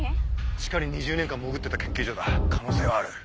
地下に２０年間潜ってた研究所だ可能性はある。